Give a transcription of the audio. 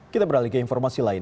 kita beralih ke informasi lain